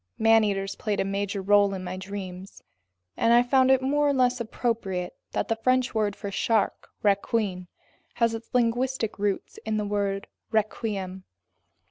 Man eaters played a major role in my dreams. And I found it more or less appropriate that the French word for shark, requin, has its linguistic roots in the word requiem.